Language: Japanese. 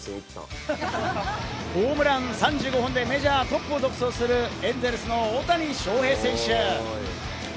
ホームラン３５本でメジャートップを独走するエンゼルスの大谷翔平選手。